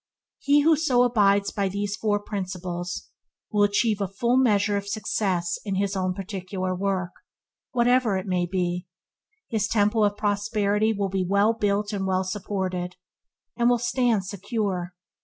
He who so abides by these four principles will achieve a full measure of success in his own particular work, whatever it may be; his Temple of Prosperity will be well built and well supported, and it will stand secure.